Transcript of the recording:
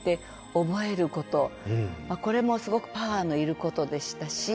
これもすごくパワーのいることでしたし。